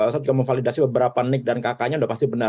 saya juga memvalidasi beberapa nik dan kakaknya sudah pasti benar